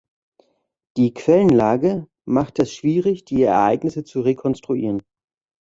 Die Quellenlage macht es schwierig die Ereignisse zu rekonstruieren.